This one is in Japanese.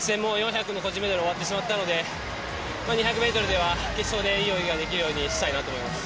４００の個人メドレーは終わってしまったので２００ｍでは決勝でいい泳ぎができるようにしたいなと思います。